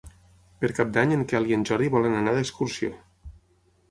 Per Cap d'Any en Quel i en Jordi volen anar d'excursió.